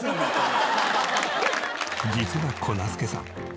実は粉すけさん